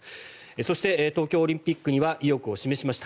そして、東京オリンピックには意欲を示しました。